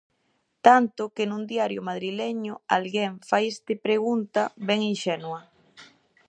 Tanto que nun diario madrileño alguén fai este pregunta ben inxenua: